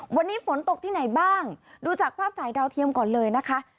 วันนี้ฝนตกที่ไหนบ้างดูจากภาพถ่ายดาวเทียมก่อนเลยนะคะ